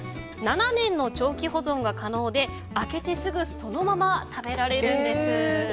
７年の長期保存が可能で開けてすぐそのまま食べられるんです。